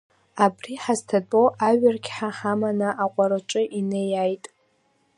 Абри ҳазҭатәоу аҩырқьҳа ҳаманы аҟәараҿы инеиааит!